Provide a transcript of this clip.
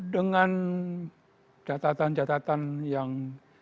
dengan catatan catatan yang